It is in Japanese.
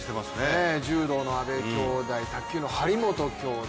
柔道の阿部兄妹、卓球の張本兄妹。